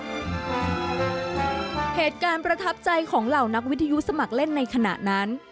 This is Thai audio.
เหตุการณ์ประทับใจของเหล่านักวิทยุสมัครเล่นในขณะนั้น